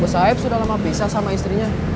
bok saib sudah lama pisah sama istrinya